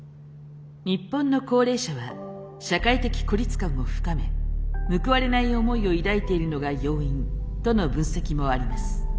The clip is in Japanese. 日本の高齢者は社会的孤立感を深め報われない思いを抱いているのが要因との分析もあります。